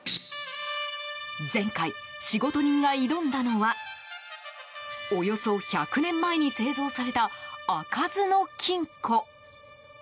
前回、仕事人が挑んだのはおよそ１００年前に製造された開かずの金庫。